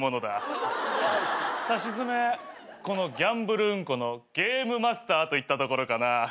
さしずめこのギャンブルうんこのゲームマスターといったところかな。